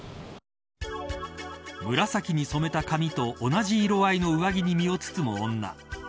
紫に染めた髪と同じ色合いの上着に身を包む女。